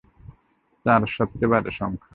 চার সবচেয়ে বাজে সংখ্যা।